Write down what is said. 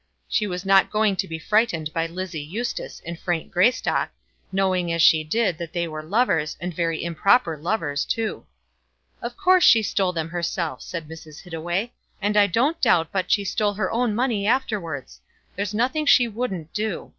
She was not going to be frightened by Lizzie Eustace and Frank Greystock, knowing as she did that they were lovers, and very improper lovers, too. "Of course she stole them herself," said Mrs. Hittaway; "and I don't doubt but she stole her own money afterwards. There's nothing she wouldn't do.